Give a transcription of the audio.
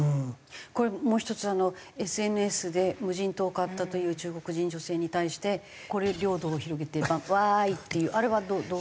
これもう１つＳＮＳで無人島を買ったという中国人女性に対してこれ領土を広げてワーイっていうあれはどう？